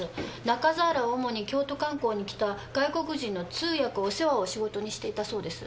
中澤らは主に京都観光に来た外国人の通訳お世話を仕事にしていたそうです。